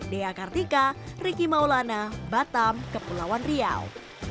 dea kartika riki maulana batam kepulauan riau